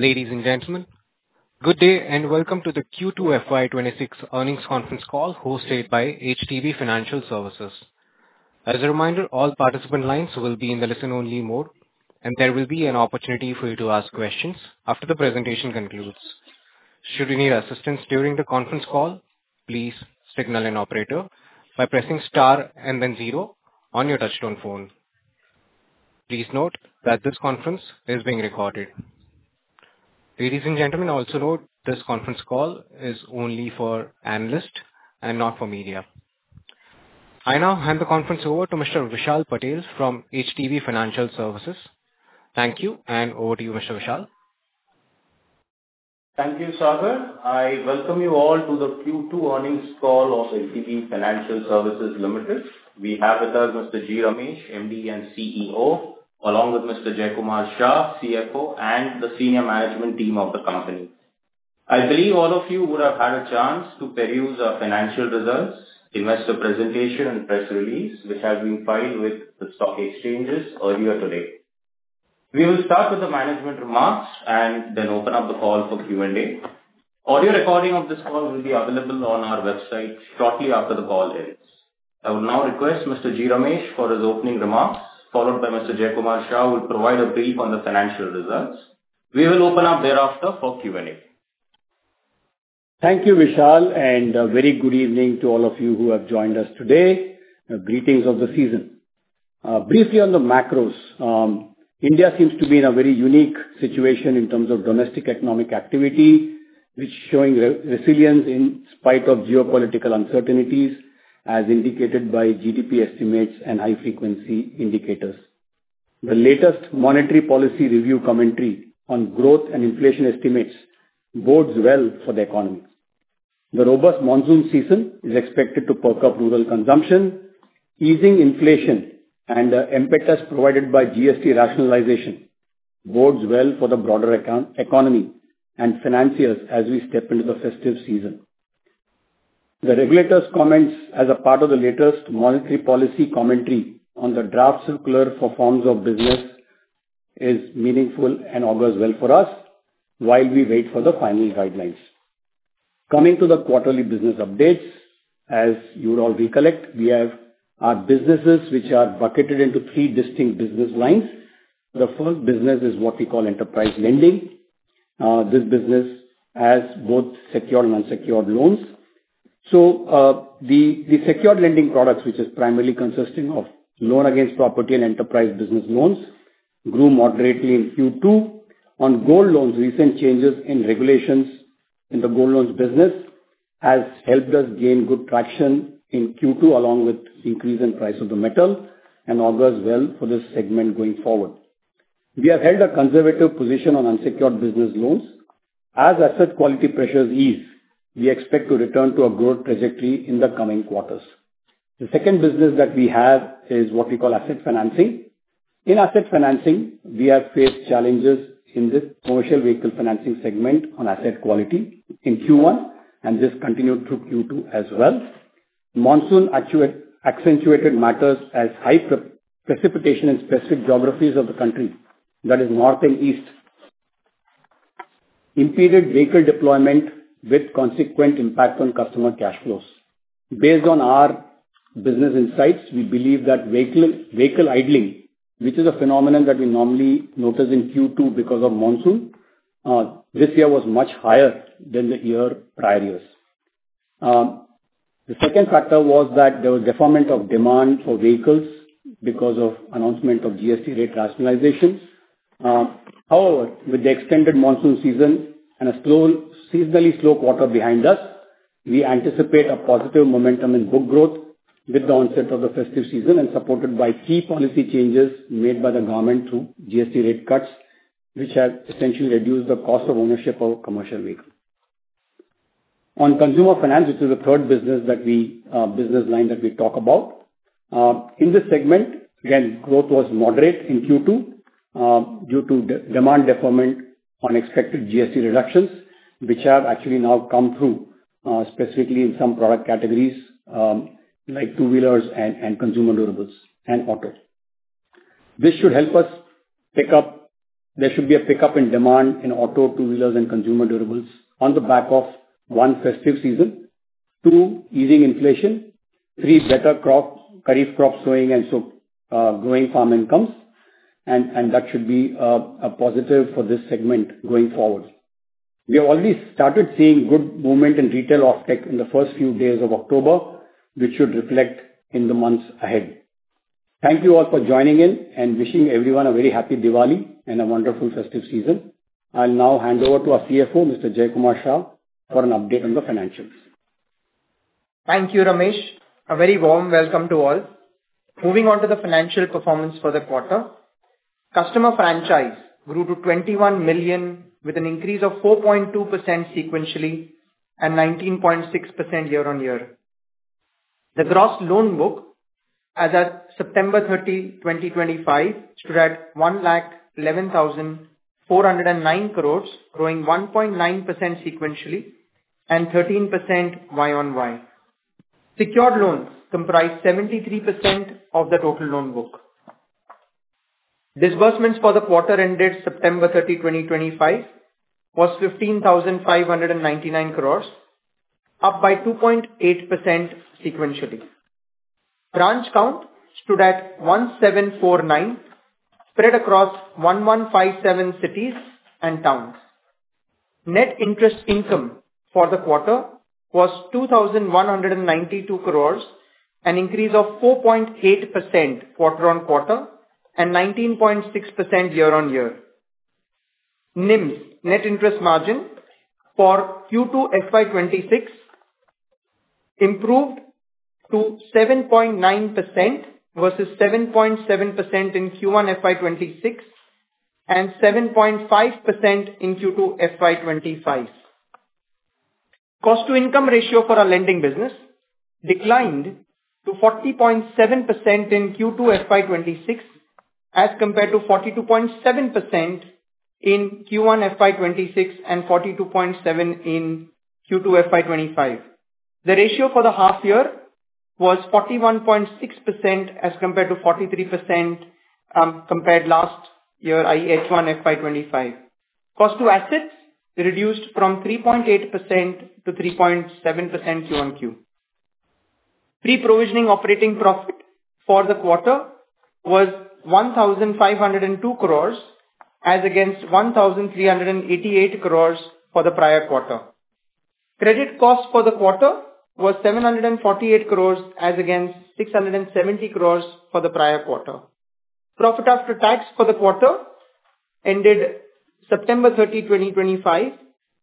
Ladies and gentlemen, good day and welcome to the Q2 FY 2026 earnings conference call hosted by HDB Financial Services. As a reminder, all participant lines will be in the listen-only mode, and there will be an opportunity for you to ask questions after the presentation concludes. Should you need assistance during the conference call, please signal an operator by pressing star and then zero on your touch-tone phone. Please note that this conference is being recorded. Ladies and gentlemen, also note this conference call is only for analysts and not for media. I now hand the conference over to Mr. Vishal Patel from HDB Financial Services. Thank you, and over to you, Mr. Vishal. Thank you, Sagar. I welcome you all to the Q2 earnings call of HDB Financial Services Limited. We have with us Mr. G. Ramesh, MD and CEO, along with Mr. Jaykumar Shah, CFO and the senior management team of the company. I believe all of you would have had a chance to peruse our financial results, investor presentation, and press release, which has been filed with the stock exchanges earlier today. We will start with the management remarks and then open up the call for Q&A. Audio recording of this call will be available on our website shortly after the call ends. I will now request Mr. G. Ramesh for his opening remark, followed by Mr. Jaykumar Shah, who will provide a brief on the financial results. We will open up thereafter for Q&A. Thank you, Vishal, and a very good evening to all of you who have joined us today. Greetings of the season. Briefly on the macros, India seems to be in a very unique situation in terms of domestic economic activity, which is showing resilience in spite of geopolitical uncertainties, as indicated by GDP estimates and high-frequency indicators. The latest monetary policy review commentary on growth and inflation estimates bodes well for the economy. The robust monsoon season is expected to perk up rural consumption, easing inflation, and the impetus provided by GST rationalization bodes well for the broader economy and financiers as we step into the festive season. The regulators' comments as a part of the latest monetary policy commentary on the draft circular for forms of business is meaningful and augurs well for us while we wait for the final guidelines. Coming to the quarterly business updates, as you all recollect, we have our businesses which are bucketed into three distinct business lines. The first business is what we call enterprise lending. This business has both secured and unsecured loans. The secured lending products, which is primarily consisting of loan against property and enterprise business loans, grew moderately in Q2. On gold loans, recent changes in regulations in the gold loans business have helped us gain good traction in Q2, along with the increase in price of the metal, and augurs well for this segment going forward. We have held a conservative position on unsecured business loans. As asset quality pressures ease, we expect to return to a growth trajectory in the coming quarters. The second business that we have is what we call asset financing. In asset financing, we have faced challenges in this commercial vehicle financing segment on asset quality in Q1, and this continued through Q2 as well. Monsoon accentuated matters as high precipitation in specific geographies of the country, that is, North and East, impeded vehicle deployment with consequent impact on customer cash flows. Based on our business insights, we believe that vehicle idling, which is a phenomenon that we normally notice in Q2 because of monsoon, this year was much higher than the prior years. The second factor was that there was a deferment of demand for vehicles because of the announcement of GST rate rationalizations. However, with the extended monsoon season and a seasonally slow quarter behind us, we anticipate a positive momentum in book growth with the onset of the festive season and supported by key policy changes made by the government through GST rate cuts, which have essentially reduced the cost of ownership of commercial vehicles. On consumer finance, which is the third business line that we talk about, in this segment, again, growth was moderate in Q2 due to demand deferment on expected GST reductions, which have actually now come through specifically in some product categories like two-wheelers and consumer durables and auto. This should help us pick up; there should be a pickup in demand in auto, two-wheelers, and consumer durables on the back of one festive season, two, easing inflation, three, better crop, kharif crop sowing, and so growing farm incomes, and that should be positive for this segment going forward. We have already started seeing good movement in retail off-take in the first few days of October, which should reflect in the months ahead. Thank you all for joining in and wishing everyone a very happy Diwali and a wonderful festive season. I'll now hand over to our CFO, Mr. Jaykumar Shah, for an update on the financials. Thank you, Ramesh. A very warm welcome to all. Moving on to the financial performance for the quarter, customer franchise grew to 21 million with an increase of 4.2% sequentially and 19.6% year-on-year. The gross loan book as of September 30, 2025, stood at 111,409 crore, growing 1.9% sequentially and 13% Y on Y. Secured loans comprised 73% of the total loan book. Disbursements for the quarter ended September 30, 2025, was 15,599 crore, up by 2.8% sequentially. Branch count stood at 1,749, spread across 1,157 cities and towns. Net interest income for the quarter was 2,192 crore, an increase of 4.8% quarter-on-quarter and 19.6% year-on-year. Net interest margin for Q2 FY 2026 improved to 7.9% versus 7.7% in Q1 FY 2026 and 7.5% in Q2 FY 2025. Cost-to-income ratio for a lending business declined to 40.7% in Q2 FY 2026 as compared to 42.7% in Q1 FY 2026 and 42.7% in Q2 FY 2025. The ratio for the half year was 41.6% as compared to 43% compared to last year, i.e., H1 FY 2025. Cost-to-assets reduced from 3.8% to 3.7% Qo Q. Pre-provisioning operating profit for the quarter was 1,502 crore as against 1,388 crore for the prior quarter. Credit cost for the quarter was 748 crore as against 670 crore for the prior quarter. Profit after tax for the quarter ended September 30, 2025,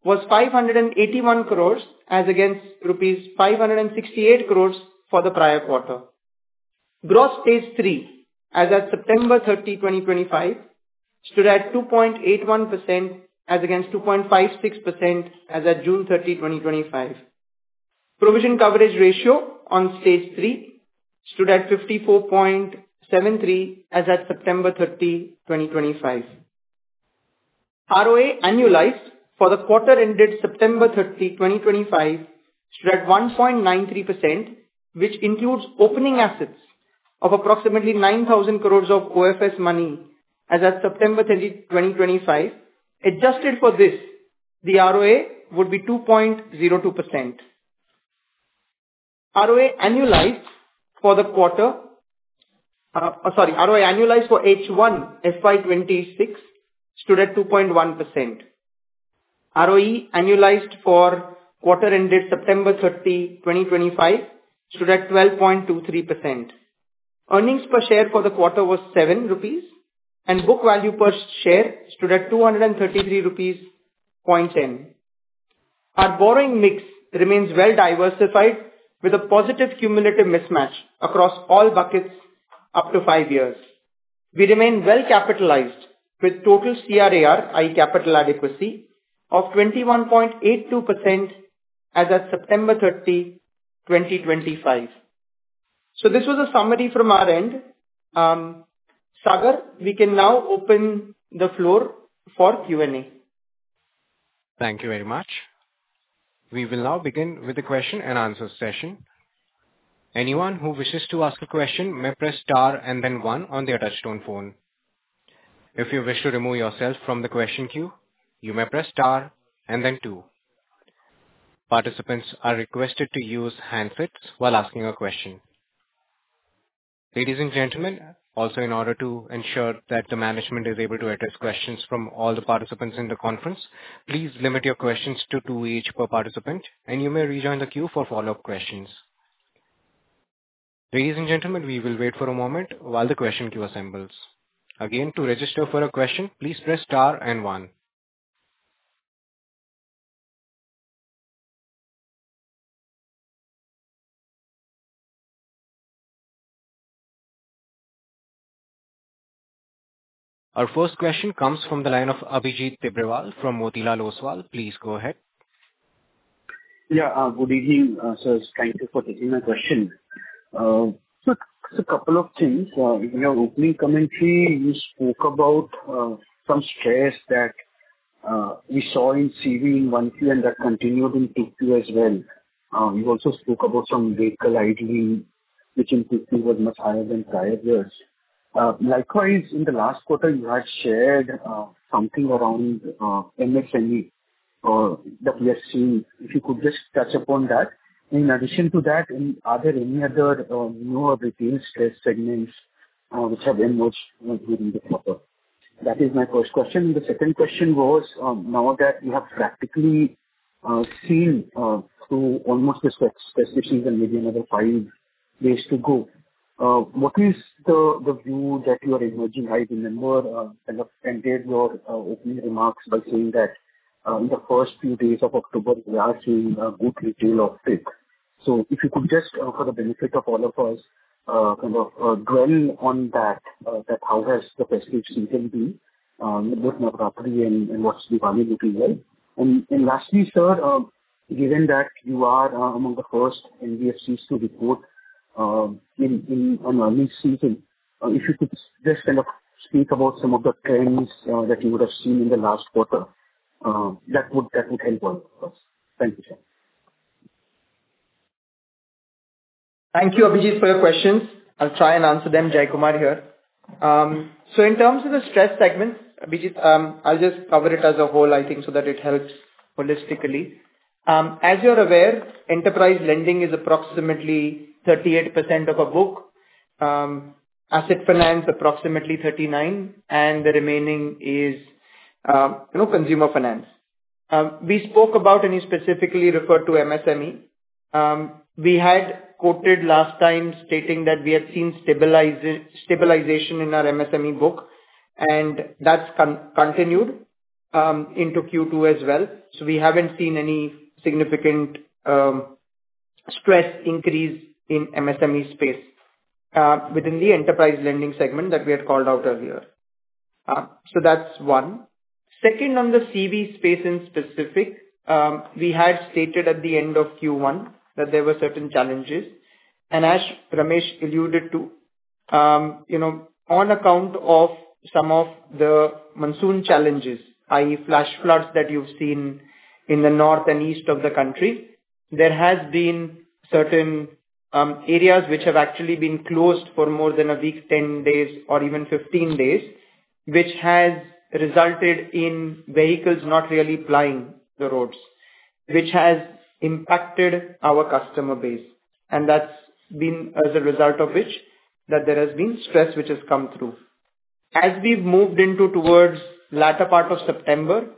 was 581 crore as against INR 568 crore for the prior quarter. Gross stage three as of September 30, 2025, stood at 2.81% as against 2.56% as of June 30, 2025. Provision coverage ratio on stage three stood at 54.73% as of September 30, 2025. ROA annualized for the quarter ended September 30, 2025, stood at 1.93%, which includes opening assets of approximately 9,000 crore of OFS money as of September 30, 2025. Adjusted for this, the ROA would be 2.02%. ROA annualized for the quarter—sorry, ROA annualized for H1 FY 2026 stood at 2.1%. ROE annualized for quarter ended September 30, 2025, stood at 12.23%. Earnings per share for the quarter was 7 rupees, and book value per share stood at 233.10 rupees. Our borrowing mix remains well-diversified with a positive cumulative mismatch across all buckets up to five years. We remain well-capitalized with total CRAR, i.e., capital adequacy, of 21.82% as of September 30, 2025. This was a summary from our end. Sagar, we can now open the floor for Q&A. Thank you very much. We will now begin with the question and answer session. Anyone who wishes to ask a question may press star and then one on the touch-tone phone. If you wish to remove yourself from the question queue, you may press star and then two. Participants are requested to use handsets while asking a question. Ladies and gentlemen, also in order to ensure that the management is able to address questions from all the participants in the conference, please limit your questions to two each per participant, and you may rejoin the queue for follow-up questions. Ladies and gentlemen, we will wait for a moment while the question queue assembles. Again, to register for a question, please press star and one. Our first question comes from the line of Abhijit Tibrewal from Motilal Oswal. Please go ahead. Yeah, good evening, sir. Thank you for taking my question. Just a couple of things. In your opening commentary, you spoke about some shares that you saw in CV in monthly and that continued in Q2 as well. You also spoke about some vehicle idling, which in Q2 was much higher than prior years. Likewise, in the last quarter, you had shared something around MSME or WSC. If you could just touch upon that. In addition to that, are there any other more retail space segments which have emerged during the quarter? That is my first question. The second question was, now that you have practically seen through almost the specificities and maybe another five days to go, what is the view that you are emerging? I remember kind of ended your opening remarks by saying that in the first few days of October, we are seeing a good retail offtake. If you could just, for the benefit of all of us, kind of dwell on that, how has the festive season been with my property and investor value material? Lastly, sir, given that you are among the first NBFCs to report on early season, if you could just kind of speak about some of the trends that you would have seen in the last quarter, that would help us. Thank you, sir. Thank you, Abhijit, for your questions. I'll try and answer them, Jaykumar here. In terms of the stress segments, Abhijit, I'll just cover it as a whole, I think, so that it helps holistically. As you're aware, enterprise lending is approximately 38% of our book, asset finance approximately 39%, and the remaining is consumer finance. We spoke about and you specifically referred to MSME. We had quoted last time stating that we had seen stabilization in our MSME book, and that's continued into Q2 as well. We haven't seen any significant stress increase in the MSME space within the enterprise lending segment that we had called out earlier. That's one. Second, on the CV space in specific, we had stated at the end of Q1 that there were certain challenges. As Ramesh alluded to, on account of some of the monsoon challenges, i.e., flash floods that you've seen in the north and east of the country, there have been certain areas which have actually been closed for more than a week, 10 days, or even 15 days, which has resulted in vehicles not really plying the roads, which has impacted our customer base. That's been as a result of which there has been stress which has come through. As we've moved towards the latter part of September,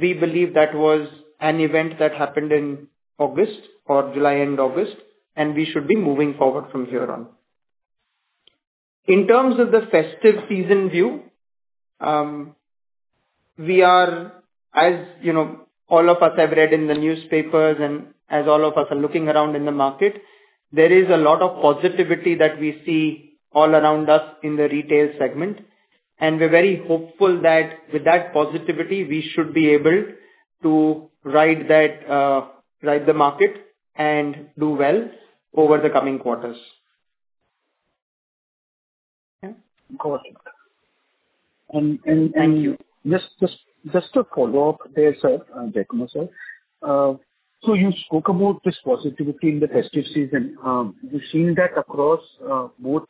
we believe that was an event that happened in August or July and August, and we should be moving forward from here on. In terms of the festive season view, we are, as all of us have read in the newspapers and as all of us are looking around in the market, there is a lot of positivity that we see all around us in the retail segment. We are very hopeful that with that positivity, we should be able to ride the market and do well over the coming quarters. Just to follow up there, sir, Jaykumar sir, you spoke about this positivity in the festive season. You've seen that across both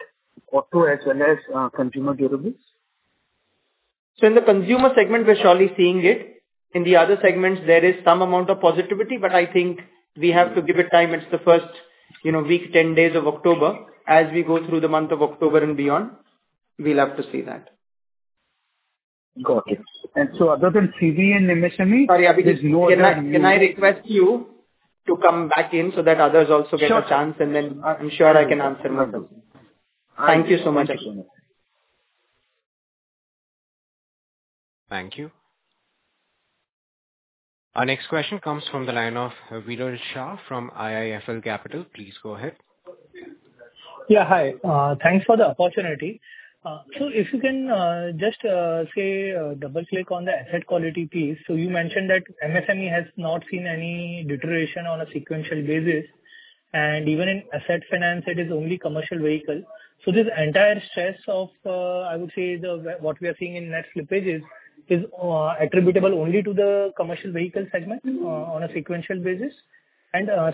auto as well as consumer durables? In the consumer segment, we're surely seeing it. In the other segments, there is some amount of positivity, but I think we have to give it time. It's the first week, 10 days of October. As we go through the month of October and beyond, we'll have to see that. Got it. Other than CV and MSME, there's no other? Can I request you to come back in so that others also get a chance, and then I am sure I can answer more? Thank you so much. Thank you. Our next question comes from the line of Viral Shah from IIFL Capital. Please go ahead. Yeah, hi. Thanks for the opportunity. If you can just say double-click on the asset quality piece. You mentioned that MSME has not seen any deterioration on a sequential basis. Even in asset finance, it is only commercial vehicle. This entire stress of, I would say, what we are seeing in that slippage is attributable only to the commercial vehicle segment on a sequential basis.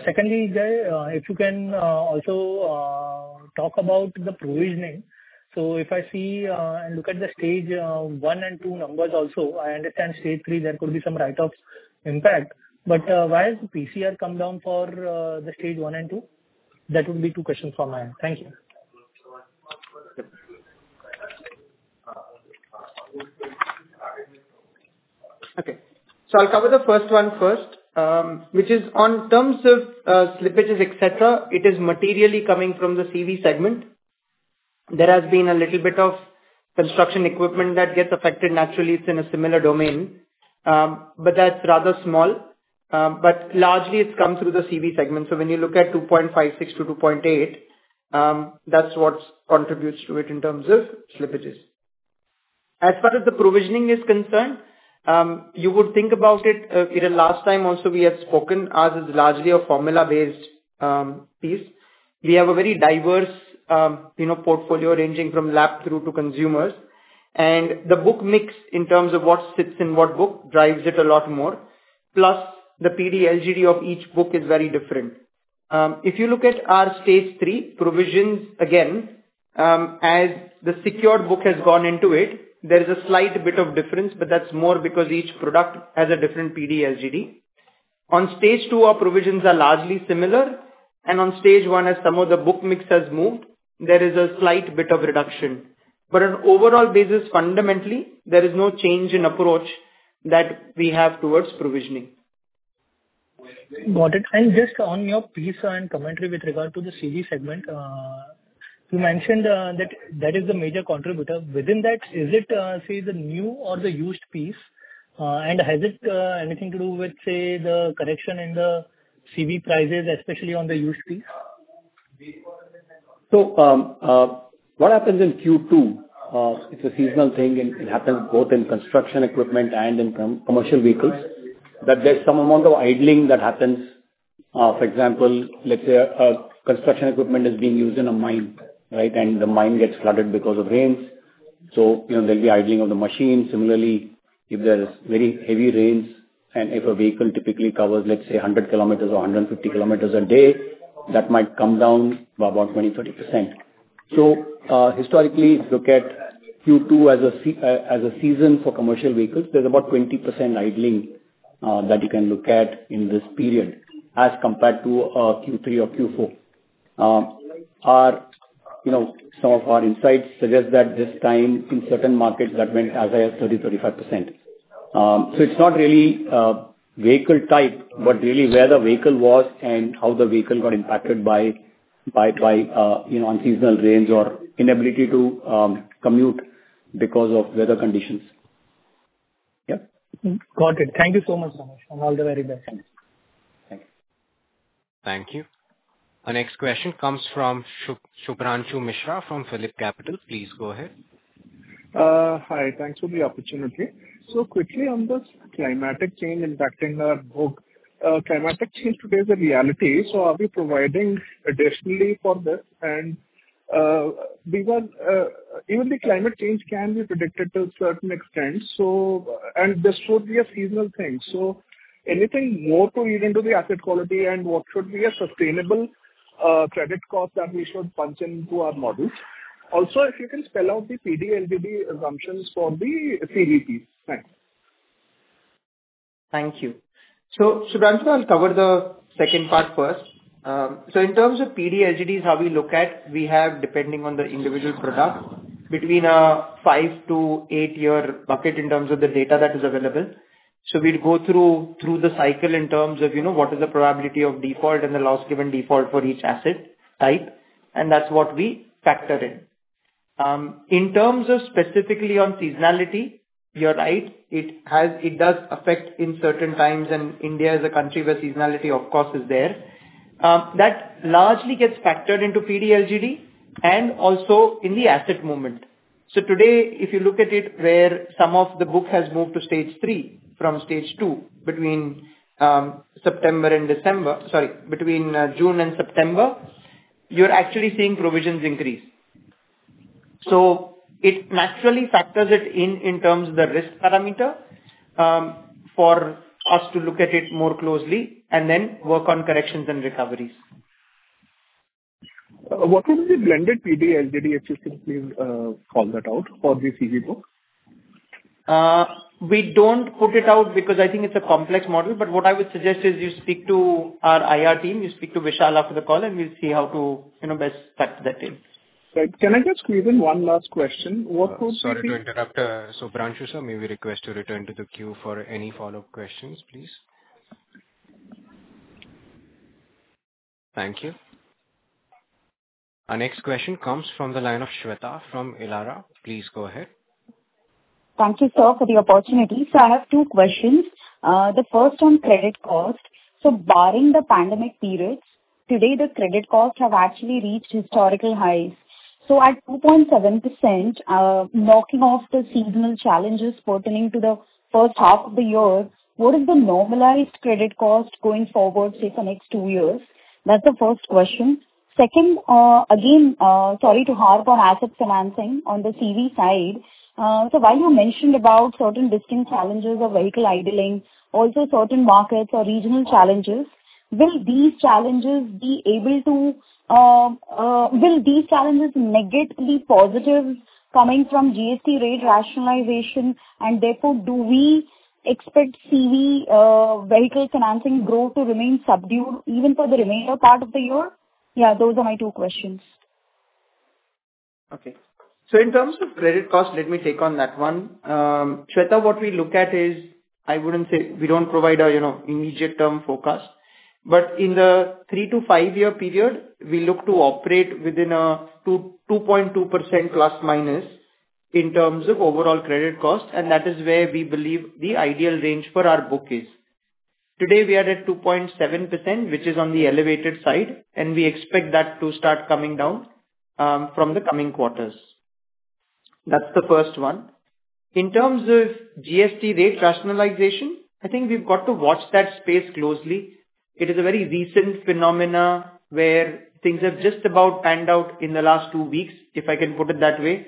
Secondly, Jay, if you can also talk about the provisioning. If I see and look at the stage one and two numbers also, I understand stage three, there could be some write-off impact. Why has the PCR come down for the stage one and two? That would be two questions from my end. Thank you. Okay. I'll cover the first one first, which is on terms of slippages, et cetera, it is materially coming from the CV segment. There has been a little bit of construction equipment that gets affected naturally. It's in a similar domain, but that's rather small. Largely, it's come through the CV segment. When you look at 2.56%-2.8%, that's what contributes to it in terms of slippages. As far as the provisioning is concerned, you would think about it. Last time also we have spoken, ours is largely a formula-based piece. We have a very diverse portfolio ranging from LAP through to consumers. The book mix in terms of what sits in what book drives it a lot more. Plus, the PD,LGD of each book is very different. If you look at our stage three provisions, again, as the secured book has gone into it, there is a slight bit of difference, but that is more because each product has a different PD, LGD. On stage two, our provisions are largely similar. On stage one, as some of the book mix has moved, there is a slight bit of reduction. On an overall basis, fundamentally, there is no change in approach that we have towards provisioning. Got it. Just on your piece and commentary with regard to the CV segment, you mentioned that that is the major contributor. Within that, is it, say, the new or the used piece? Has it anything to do with, say, the correction in the CV prices, especially on the used piece? What happens in Q2, it's a seasonal thing. It happens both in construction equipment and in commercial vehicles that there's some amount of idling that happens. For example, let's say construction equipment is being used in a mine, right? And the mine gets flooded because of rains. There will be idling of the machine. Similarly, if there's very heavy rains and if a vehicle typically covers, let's say, 100 km or 150 km a day, that might come down by about 20%-30%. Historically, if you look at Q2 as a season for commercial vehicles, there's about 20% idling that you can look at in this period as compared to Q3 or Q4. Some of our insights suggest that this time in certain markets that went as high as 30%-35%. It is not really vehicle type, but really where the vehicle was and how the vehicle got impacted by unseasonal rains or inability to commute because of weather conditions. Yeah. Got it. Thank you so much, Ramesh. All the very best. Thank you. Thank you. Our next question comes from Subhranshu Mishra from Phillip Capital. Please go ahead. Hi. Thanks for the opportunity. Quickly on the climatic change impacting our book, climatic change today is a reality. Are we providing additionally for this? Even the climate change can be predicted to a certain extent, and this would be a seasonal thing. Anything more to read into the asset quality and what should be a sustainable credit cost that we should punch into our models? Also, if you can spell out the PD, LGD assumptions for the CV piece. Thanks. Thank you. Subhranshu, I'll cover the second part first. In terms of PD, LGDs, how we look at it, we have, depending on the individual product, between a five- to eight-year bucket in terms of the data that is available. We go through the cycle in terms of what is the probability of default and the loss given default for each asset type. That is what we factor in. In terms of specifically on seasonality, you're right, it does affect in certain times. India is a country where seasonality, of course, is there. That largely gets factored into PD, LGD and also in the asset movement. Today, if you look at it where some of the book has moved to stage three from stage two between June and September, you're actually seeing provisions increase. It naturally factors it in in terms of the risk parameter for us to look at it more closely and then work on corrections and recoveries. What is the blended PD, LGD, if you simply call that out for the CV book? We do not put it out because I think it is a complex model. What I would suggest is you speak to our IR team. You speak to Vishal after the call, and we will see how to best factor that in. Can I just squeeze in one last question? Sorry to interrupt. Subhranshu sir, may we request to return to the queue for any follow-up questions, please? Thank you. Our next question comes from the line of Shweta from Ilara. Please go ahead. Thank you, sir, for the opportunity. I have two questions. The first on credit cost. Barring the pandemic periods, today, the credit costs have actually reached historical highs. At 2.7%, knocking off the seasonal challenges pertaining to the first half of the year, what is the normalized credit cost going forward, say, for the next two years? That is the first question. Second, again, sorry to harp on asset financing on the CV side. While you mentioned about certain distinct challenges of vehicle idling, also certain markets or regional challenges, will these challenges be able to, will these challenges negate the positives coming from GST rate rationalization? Therefore, do we expect CV vehicle financing growth to remain subdued even for the remainder part of the year? Yeah, those are my two questions. Okay. In terms of credit cost, let me take on that one. Shweta, what we look at is, I would not say we do not provide an immediate-term forecast. In the three- to five-year period, we look to operate within a ±2.2% in terms of overall credit cost. That is where we believe the ideal range for our book is. Today, we are at 2.7%, which is on the elevated side. We expect that to start coming down from the coming quarters. That is the first one. In terms of GST rate rationalization, I think we have got to watch that space closely. It is a very recent phenomenon where things have just about panned out in the last two weeks, if I can put it that way.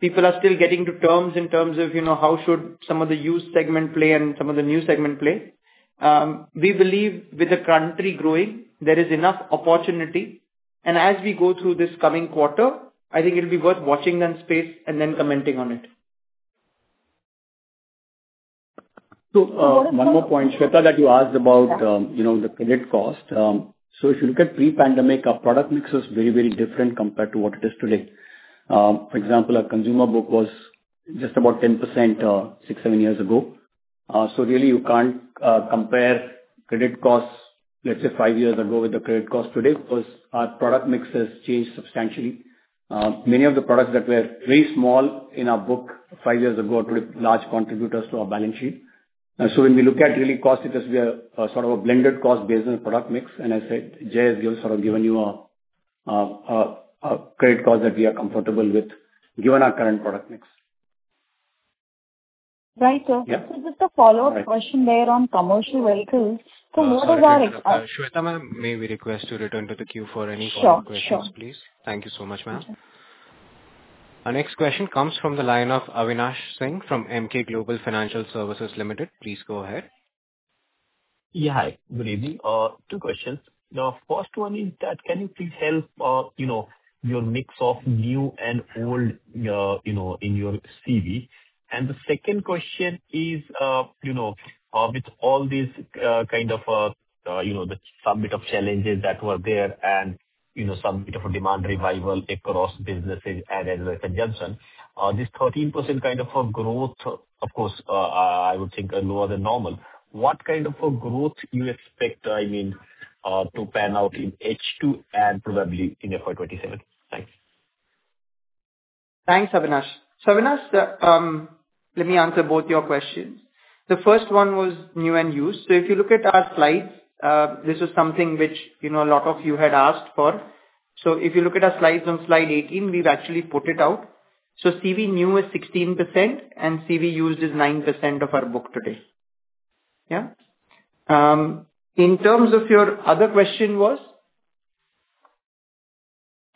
People are still getting to terms in terms of how should some of the used segment play and some of the new segment play. We believe with the country growing, there is enough opportunity. As we go through this coming quarter, I think it'll be worth watching that space and then commenting on it. One more point, Shweta, that you asked about the credit cost. If you look at pre-pandemic, our product mix was very, very different compared to what it is today. For example, our consumer book was just about 10% six or seven years ago. You really can't compare credit costs, let's say, five years ago with the credit cost today because our product mix has changed substantially. Many of the products that were very small in our book five years ago are pretty large contributors to our balance sheet. When we look at really cost, it is sort of a blended cost based on the product mix. I said, "Jay, we've sort of given you a credit cost that we are comfortable with given our current product mix. Right. Just a follow-up question there on commercial vehicles. What is our? Shweta, may we request to return to the queue for any follow-up questions, please? Thank you so much, ma'am. Our next question comes from the line of Avinash Singh from Emkay Global Financial Services Limited. Please go ahead. Yeah, hi. Good evening. Two questions. The first one is that can you please help your mix of new and old in your CV? The second question is, with all this kind of the summit of challenges that were there and some bit of a demand revival across businesses as a conjunction, this 13% kind of growth, of course, I would think lower than normal. What kind of growth do you expect, I mean, to pan out in H2 and probably in FY 2027? Thanks. Thanks, Avinash. Avinash, let me answer both your questions. The first one was new and used. If you look at our slides, this was something which a lot of you had asked for. If you look at our slides on slide 18, we have actually put it out. CV new is 16%, and CV used is 9% of our book today. Yeah? In terms of your other question was?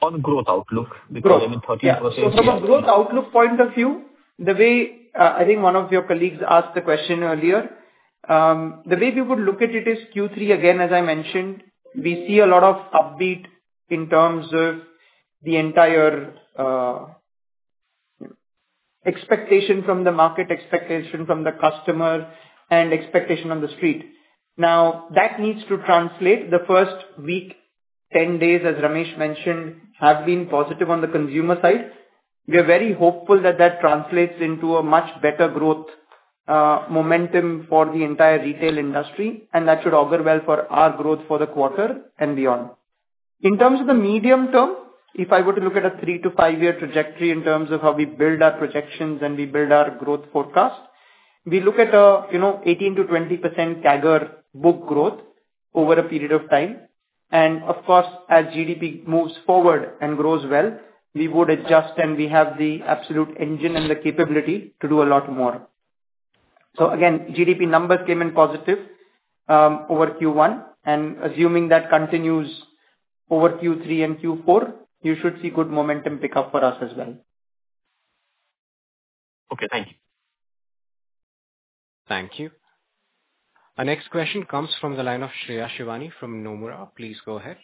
On growth outlook because of the 13%. From a growth outlook point of view, the way I think one of your colleagues asked the question earlier, the way we would look at it is Q3, again, as I mentioned, we see a lot of upbeat in terms of the entire expectation from the market, expectation from the customer, and expectation on the Street. Now, that needs to translate. The first week, 10 days, as Ramesh mentioned, have been positive on the consumer side. We are very hopeful that that translates into a much better growth momentum for the entire retail industry. That should augur well for our growth for the quarter and beyond. In terms of the medium term, if I were to look at a three- to five-year trajectory in terms of how we build our projections and we build our growth forecast, we look at a 18%-20% CAGR book growth over a period of time. Of course, as GDP moves forward and grows well, we would adjust, and we have the absolute engine and the capability to do a lot more. GDP numbers came in positive over Q1. Assuming that continues over Q3 and Q4, you should see good momentum pickup for us as well. Okay, thank you. Thank you. Our next question comes from the line of Shreya Shivani from Nomura. Please go ahead.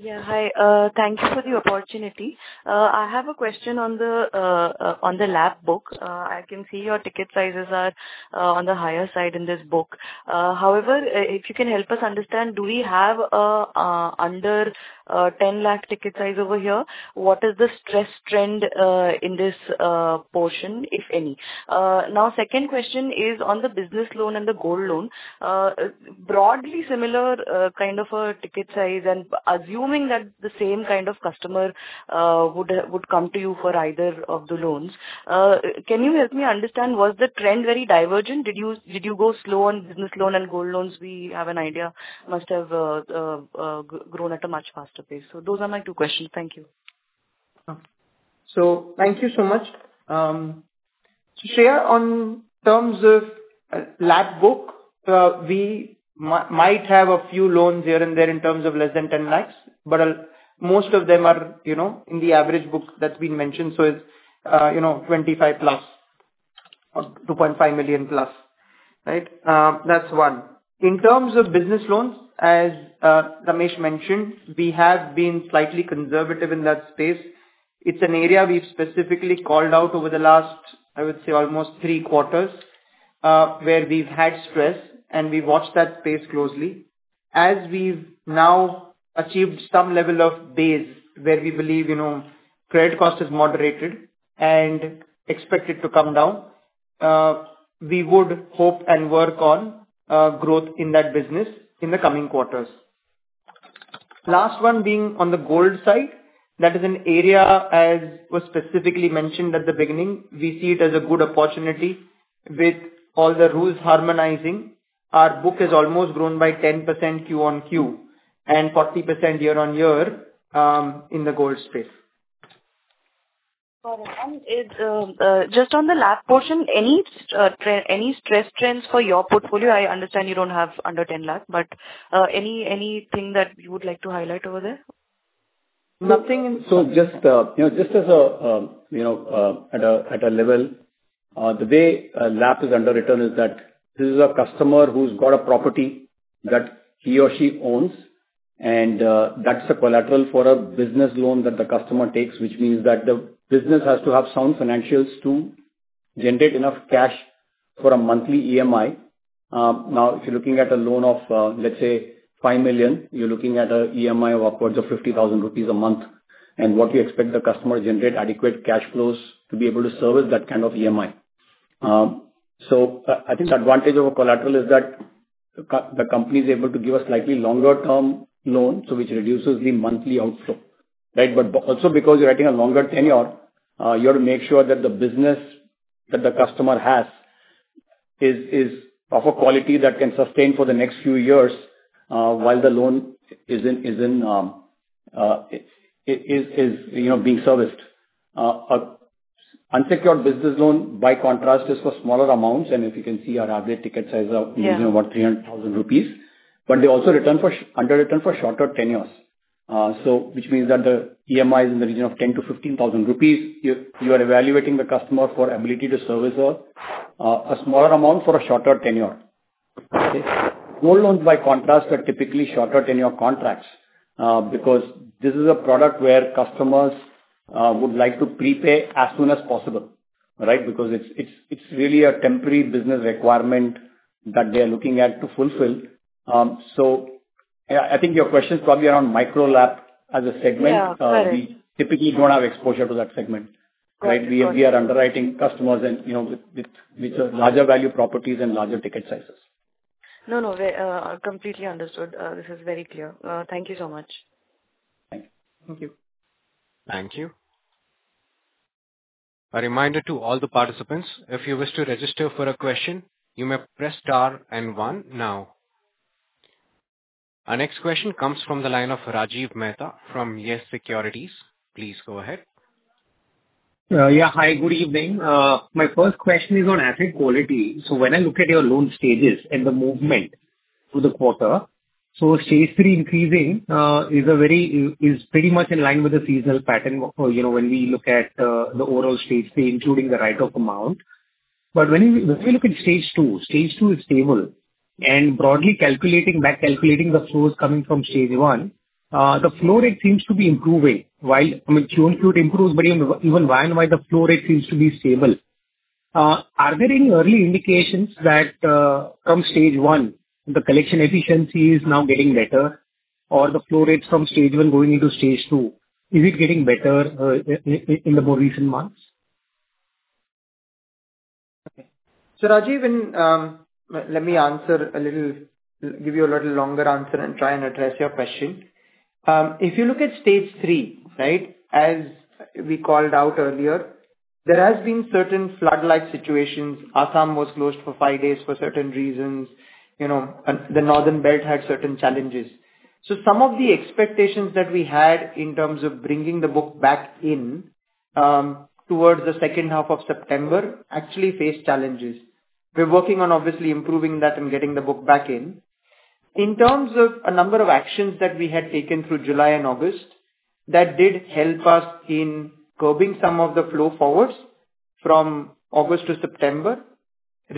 Yeah, hi. Thanks for the opportunity. I have a question on the LAP book. I can see your ticket sizes are on the higher side in this book. However, if you can help us understand, do we have under 10 lakh ticket size over here? What is the stress trend in this portion, if any? Now, second question is on the business loan and the gold loan. Broadly similar kind of a ticket size, and assuming that the same kind of customer would come to you for either of the loans, can you help me understand, was the trend very divergent? Did you go slow on business loan and gold loans? We have an idea must have grown at a much faster pace. Those are my two questions. Thank you. Thank you so much. Shreya, in terms of LAP book, we might have a few loans here and there in terms of less than 10 lakhs but most of them are in the average book that's been mentioned. It is 2.5 million plus, right? That is one. In terms of business loans, as Ramesh mentioned, we have been slightly conservative in that space. It is an area we have specifically called out over the last, I would say, almost three quarters where we have had stress, and we watched that space closely. As we have now achieved some level of days where we believe credit cost is moderated and expected to come down, we would hope and work on growth in that business in the coming quarters. Last one being on the gold side, that is an area, as was specifically mentioned at the beginning, we see it as a good opportunity with all the rules harmonizing. Our book has almost grown by 10% Q on Q and 40% year-on-year in the gold space. Just on the LAP portion, any stress trends for your portfolio? I understand you do not have under 10 lakh, but anything that you would like to highlight over there? Nothing. Just as a, at a level, the way a LAP is underwritten is that this is a customer who's got a property that he or she owns. And that's a collateral for a business loan that the customer takes, which means that the business has to have sound financials to generate enough cash for a monthly EMI. Now, if you're looking at a loan of, let's say, 5 million, you're looking at an EMI of upwards of 50,000 rupees a month. And what do you expect the customer to generate adequate cash flows to be able to service that kind of EMI? I think the advantage of a collateral is that the company is able to give a slightly longer-term loan, which reduces the monthly outflow, right? Also, because you are writing a longer tenure, you have to make sure that the business that the customer has is of a quality that can sustain for the next few years while the loan is being serviced. Unsecured business loan, by contrast, is for smaller amounts. If you can see, our average ticket size is about 300,000 rupees. They also return for shorter tenures, which means that the EMI is in the region of 10,000-15,000 rupees. You are evaluating the customer for ability to service a smaller amount for a shorter tenure. Gold loans, by contrast, are typically shorter tenure contracts because this is a product where customers would like to prepay as soon as possible, right? It is really a temporary business requirement that they are looking at to fulfill. Yeah, I think your question is probably around micro LAP as a segment. We typically do not have exposure to that segment, right? We are underwriting customers with larger value properties and larger ticket sizes. No, no. Completely understood. This is very clear. Thank you so much. Thank you. Thank you. A reminder to all the participants, if you wish to register for a question, you may press star and one now. Our next question comes from the line of Rajiv Mehta from Yes Securities. Please go ahead. Yeah, hi. Good evening. My first question is on asset quality. When I look at your loan stages and the movement through the quarter, stage three increasing is pretty much in line with the seasonal pattern when we look at the overall stage three, including the write-off amount. When we look at stage two, stage two is stable. Broadly calculating back, calculating the flows coming from stage one, the flow rate seems to be improving. I mean, Q on Q, it improves, but even while the flow rate seems to be stable. Are there any early indications that from stage one, the collection efficiency is now getting better, or the flow rate from stage one going into stage two, is it getting better in the more recent months? Okay. Rajiv, let me answer a little, give you a little longer answer and try and address your question. If you look at stage three, right, as we called out earlier, there have been certain flood-like situations. Assam was closed for five days for certain reasons. The northern belt had certain challenges. Some of the expectations that we had in terms of bringing the book back in towards the second half of September actually faced challenges. We are working on obviously improving that and getting the book back in. In terms of a number of actions that we had taken through July and August, that did help us in curbing some of the flow forwards from August to September.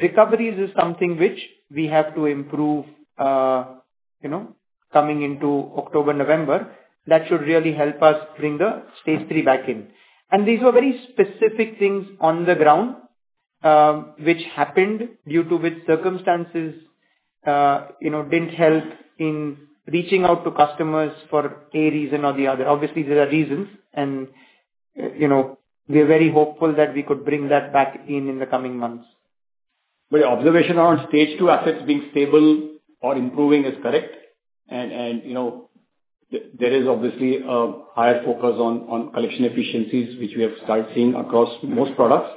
Recoveries is something which we have to improve coming into October, November. That should really help us bring the stage three back in. These were very specific things on the ground which happened due to which circumstances did not help in reaching out to customers for a reason or the other. Obviously, there are reasons. We are very hopeful that we could bring that back in in the coming months. Your observation around stage two assets being stable or improving is correct. There is obviously a higher focus on collection efficiencies, which we have started seeing across most products.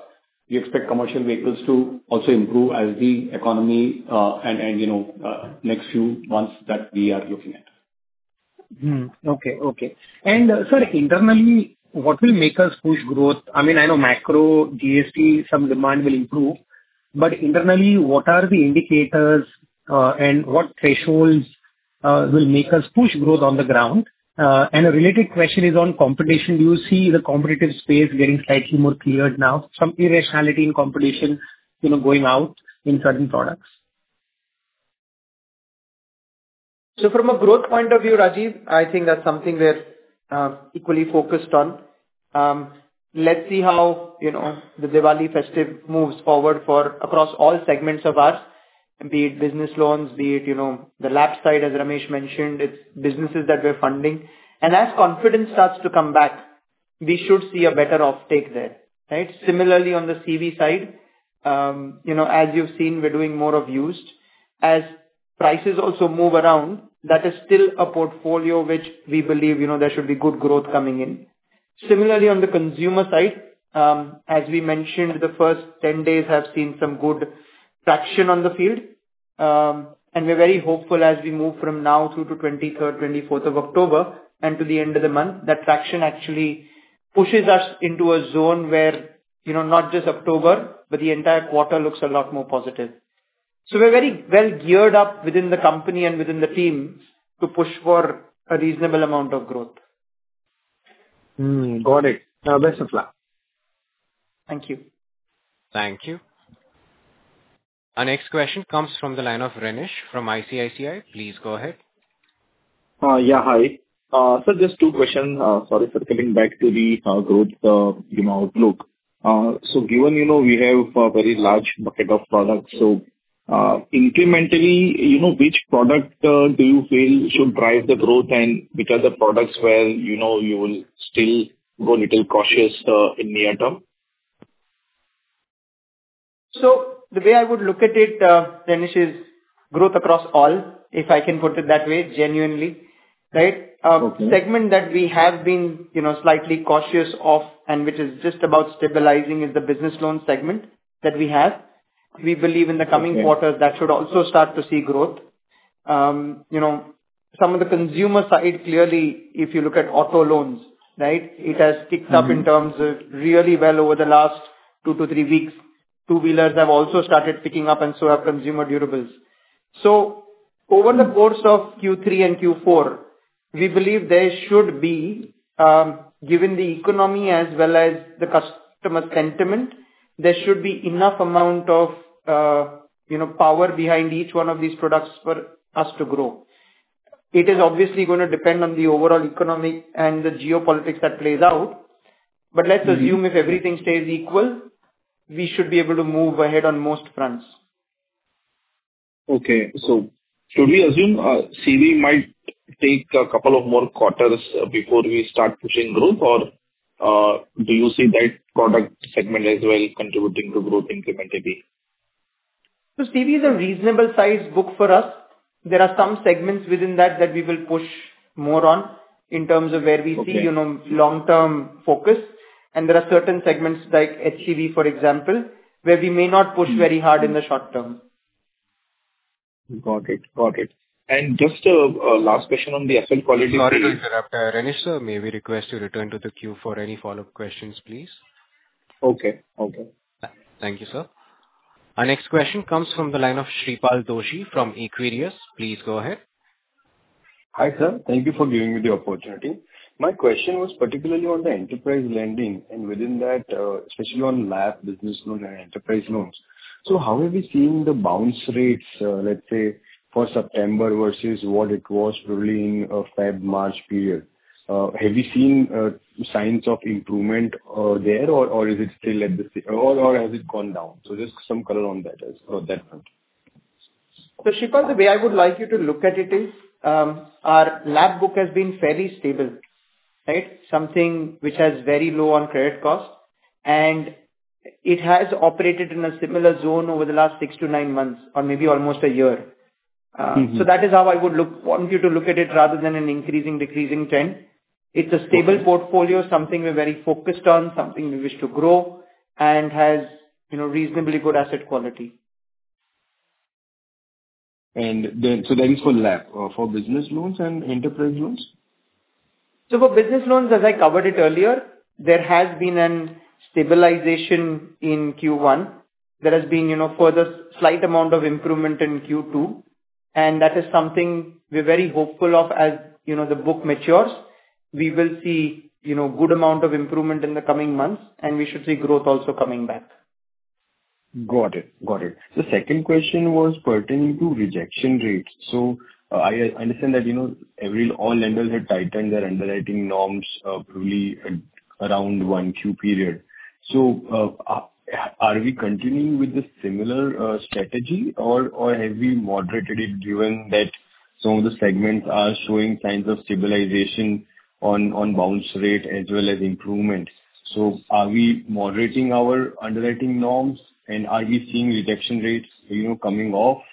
We expect commercial vehicles to also improve as the economy and next few months that we are looking at. Okay, okay. Sorry, internally, what will make us push growth? I mean, I know macro, GST, some demand will improve. Internally, what are the indicators and what thresholds will make us push growth on the ground? A related question is on competition. Do you see the competitive space getting slightly more cleared now? Some irrationality in competition going out in certain products? From a growth point of view, Rajiv, I think that's something we're equally focused on. Let's see how the Diwali festive moves forward across all segments of ours, be it business loans, be it the LAP side, as Ramesh mentioned, it's businesses that we're funding. As confidence starts to come back, we should see a better offtake there, right? Similarly, on the CV side, as you've seen, we're doing more of used. As prices also move around, that is still a portfolio which we believe there should be good growth coming in. Similarly, on the consumer side, as we mentioned, the first 10 days have seen some good traction on the field. We are very hopeful as we move from now through to 23rd, 24th of October and to the end of the month, that traction actually pushes us into a zone where not just October, but the entire quarter looks a lot more positive. We are very well geared up within the company and within the team to push for a reasonable amount of growth. Got it. Best of luck. Thank you. Thank you. Our next question comes from the line of Renish from ICICI Securities. Please go ahead. Yeah, hi. Just two questions. Sorry, circling back to the growth outlook. Given we have a very large bucket of products, incrementally, which product do you feel should drive the growth and which are the products where you will still go a little cautious in the end term? The way I would look at it, Renish, is growth across all, if I can put it that way, genuinely, right? Segment that we have been slightly cautious of and which is just about stabilizing is the business loan segment that we have. We believe in the coming quarter that should also start to see growth. Some of the consumer side, clearly, if you look at auto loans, right, it has ticked up in terms of really well over the last two to three weeks. Two-wheelers have also started picking up, and so have consumer durables. Over the course of Q3 and Q4, we believe there should be, given the economy as well as the customer sentiment, there shoulRenishd be enough amount of power behind each one of these products for us to grow. It is obviously going to depend on the overall economy and the geopolitics that plays out. If everything stays equal, we should be able to move ahead on most fronts. Okay. Should we assume CV might take a couple of more quarters before we start pushing growth, or do you see that product segment as well contributing to growth incrementally? CV is a reasonable size book for us. There are some segments within that that we will push more on in terms of where we see long-term focus. There are certain segments like HCV, for example, where we may not push very hard in the short term. Got it, got it. Just a last question on the asset quality. Sorry to interrupt. Renish, may we request you return to the queue for any follow-up questions, please? Okay, okay. Thank you, sir. Our next question comes from the line of Shreepal Doshi from Equirus. Please go ahead. Hi, sir. Thank you for giving me the opportunity. My question was particularly on the enterprise lending and within that, especially on LAP business loan and enterprise loans. How have we seen the bounce rates, let's say, for September versus what it was during February, March period? Have we seen signs of improvement there, or is it still at the same, or has it gone down? Just some color on that, on that front. Shreepal, the way I would like you to look at it is our LAP book has been fairly stable, right? Something which has very low on credit cost. And it has operated in a similar zone over the last six to nine months or maybe almost a year. That is how I would want you to look at it rather than an increasing, decreasing trend. It's a stable portfolio, something we're very focused on, something we wish to grow, and has reasonably good asset quality. That is for LAP, for business loans and enterprise loans? For business loans, as I covered it earlier, there has been a stabilization in Q1. There has been a further slight amount of improvement in Q2. That is something we're very hopeful of as the book matures. We will see a good amount of improvement in the coming months, and we should see growth also coming back. Got it, got it. The second question was pertaining to rejection rates. I understand that all lenders had tightened their underwriting norms probably around 1Q period. Are we continuing with the similar strategy, or have we moderated it given that some of the segments are showing signs of stabilization on bounce rate as well as improvement? Are we moderating our underwriting norms, and are we seeing rejection rates coming off?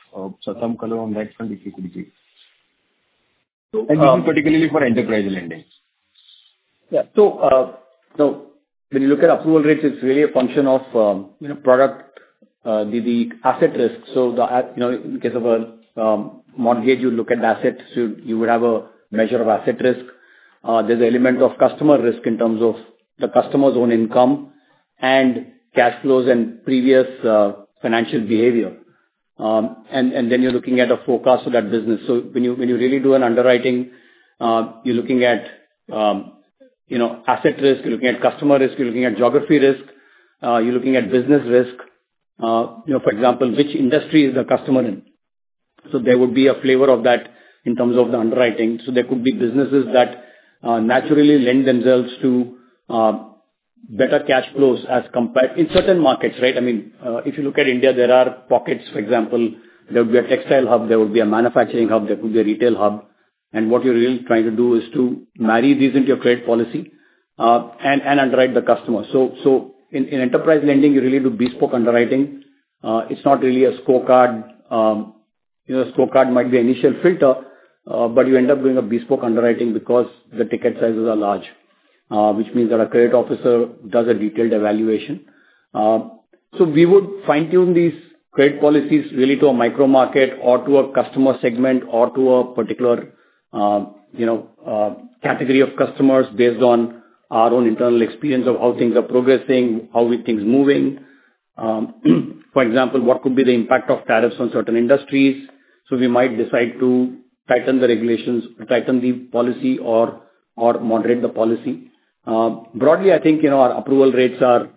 Some color on that front, if you could give. This is particularly for enterprise lending. Yeah. When you look at approval rates, it's really a function of product, the asset risk. In the case of a mortgage, you look at assets, you would have a measure of asset risk. There's an element of customer risk in terms of the customer's own income and cash flows and previous financial behavior. You are looking at a forecast for that business. When you really do an underwriting, you are looking at asset risk, you are looking at customer risk, you are looking at geography risk, you are looking at business risk. For example, which industry is the customer in? There would be a flavor of that in terms of the underwriting. There could be businesses that naturally lend themselves to better cash flows in certain markets, right? I mean, if you look at India, there are pockets, for example. There would be a textile hub, there would be a manufacturing hub, there could be a retail hub. What you are really trying to do is to marry these into your credit policy and underwrite the customer. In enterprise lending, you really do bespoke underwriting. It is not really a scorecard. A scorecard might be an initial filter, but you end up doing a bespoke underwriting because the ticket sizes are large, which means that a credit officer does a detailed evaluation. You would fine-tune these credit policies really to a micro-market or to a customer segment or to a particular category of customers based on our own internal experience of how things are progressing, how things are moving. For example, what could be the impact of tariffs on certain industries? You might decide to tighten the regulations, tighten the policy, or moderate the policy. Broadly, I think our approval rates have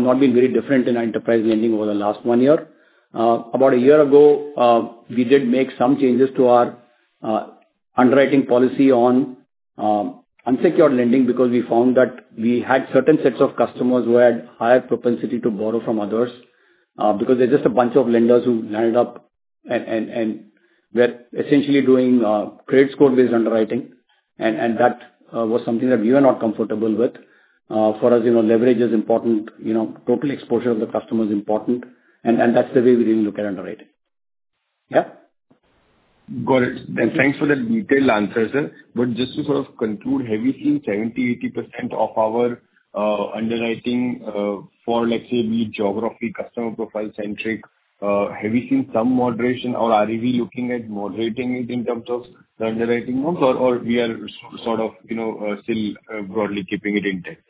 not been very different in enterprise lending over the last one year. About a year ago, we did make some changes to our underwriting policy on unsecured lending because we found that we had certain sets of customers who had higher propensity to borrow from others because there is just a bunch of lenders who lined up and were essentially doing credit score-based underwriting. That was something that we were not comfortable with. For us, leverage is important. Total exposure of the customer is important. That is the way we really look at underwriting. Yeah? Got it. Thanks for the detailed answers. Just before I conclude, have we seen 70%-80% of our underwriting for, let's say, geography, customer profile-centric? Have we seen some moderation or are we looking at moderating it in terms of the underwriting norms, or are we sort of still broadly keeping it intact?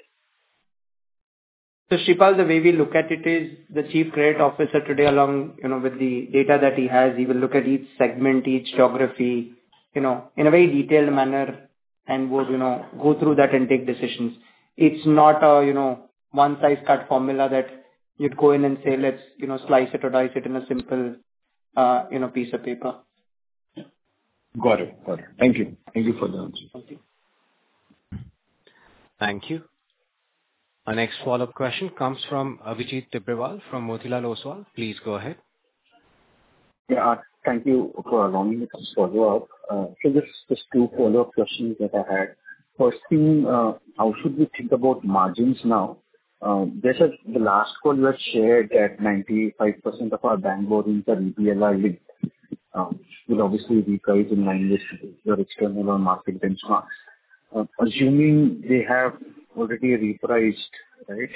Shreepal, the way we look at it is the Chief Credit Officer today, along with the data that he has, he will look at each segment, each geography in a very detailed manner and will go through that and take decisions. It's not a one-size-cut formula that you'd go in and say, "Let's slice it or dice it in a simple piece of paper. Got it. Got it. Thank you. Thank you for the answer. Thank you. Our next follow-up question comes from Abhijit Tibrewal from Motilal Oswal. Please go ahead. Thank you for allowing me to follow up. There are just two follow-up questions that I have. First thing, how should we think about margins now? Just as the last call was shared that 95% of our bank borrowing is [EDLI] linked, with obviously repricing lines which can allow market benchmarks. Assuming they have already repriced, right,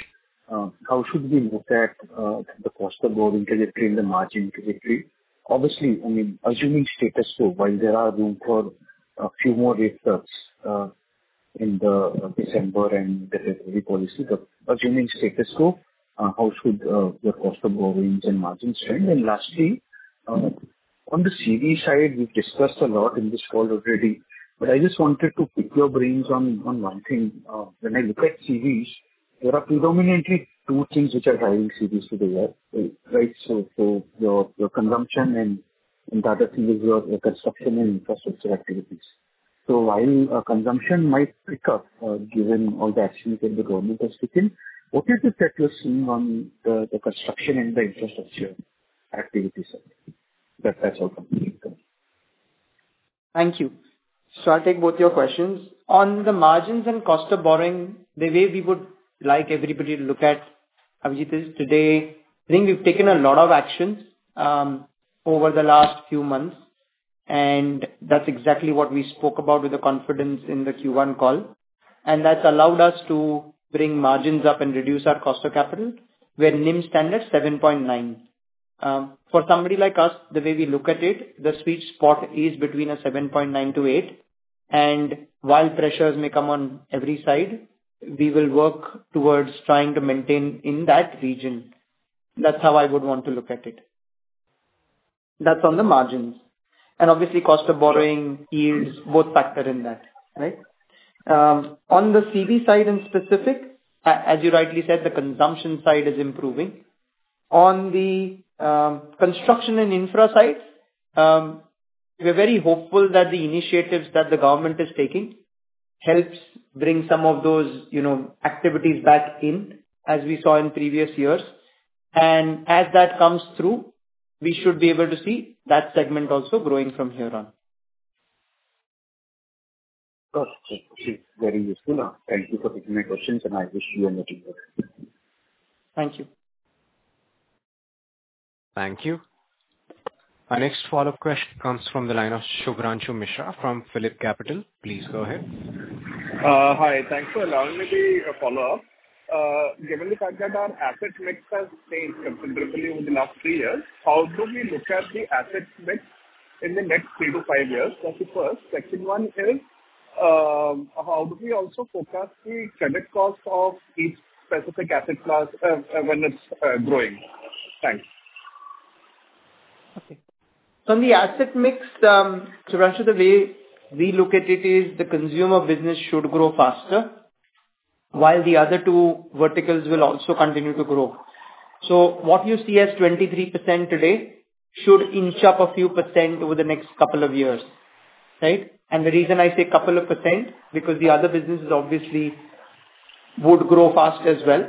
how should we look at the cost of borrowing credit and the margin credit? Obviously, assuming status quo, while there is room for a few more rate cuts in the December and February policy, but assuming status quo, how should the cost of borrowings and margins trend? Lastly, on the CV side, we discussed a lot in this call already, but I just wanted to pick your brains on one thing. When I look at CVs, there are predominantly two things which are highly seriously there, right? Your consumption and the other thing is your construction and infrastructure activities. While consumption might pick up given all the actions that the government has taken, what is the threat you're seeing on the construction and the infrastructure activities? That's my follow-up. Thank you. I will take both your questions. On the margins and cost of borrowing, the way we would like everybody to look at, Abhijit, is today, I think we have taken a lot of actions over the last few months, and that is exactly what we spoke about with the confidence in the Q1 call. That has allowed us to bring margins up and reduce our cost of capital. We are NIM standard 7.9. For somebody like us, the way we look at it, the sweet spot is between a 7.9-8. While pressures may come on every side, we will work towards trying to maintain in that region. That is how I would want to look at it. That is on the margins. Obviously, cost of borrowing, yields, both factor in that, right? On the CV side in specific, as you rightly said, the consumption side is improving. On the construction and infra side, we're very hopeful that the initiatives that the government is taking help bring some of those activities back in, as we saw in previous years. As that comes through, we should be able to see that segment also growing from here on. That's very useful. Thank you for taking my questions, and I wish you good work. Thank you. Thank you. Our next follow-up question comes from the line of Subhranshu Mishra from Phillip Capital. Please go ahead. Hi, thanks for allowing me to follow up. Given the fact that our asset mix has changed considerably over the last three years, how do we look at the asset mix in the next three to five years? That's the first. Second one is, how do we also forecast the credit cost of each specific asset class when it's growing? Thanks. Okay. On the asset mix, Subhranshu, the way we look at it is the consumer business should grow faster, while the other two verticals will also continue to grow. What you see as 23% today should inch up a few percent over the next couple of years, right? The reason I say a couple of percent is because the other businesses obviously would grow fast as well.